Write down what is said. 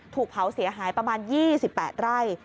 ถูกเผาเสียหายประมาณ๒๘ไร่